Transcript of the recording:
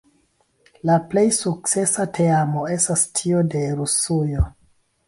La plej sukcesa teamo estas tio de Rusujo.